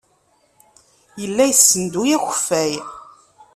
Yella yessenduy akeffay.